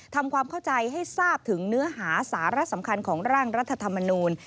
ทำความเข้าใจให้ทราบถึงเนื้อหาสาระสำคัญของร่างรัฐธรรมนูล